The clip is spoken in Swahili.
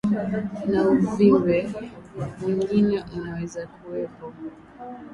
na uvimbe mwingine unaweza kuwepo